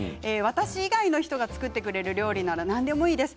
私以外の人が作ってくれる料理なら何でもいいです。